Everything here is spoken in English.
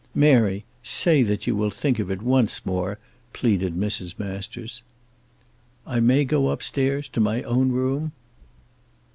"Mary, say that you will think of it once more," pleaded Mrs. Masters. "I may go up stairs, to my own room?"